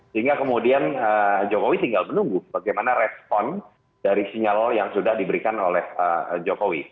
sehingga kemudian jokowi tinggal menunggu bagaimana respon dari sinyal yang sudah diberikan oleh jokowi